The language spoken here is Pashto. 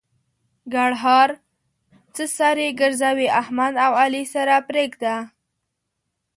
ګړهار: څه سر په ګرځوې؛ احمد او علي سره پرېږده.